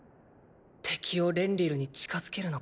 敵をレンリルに近づけるのか。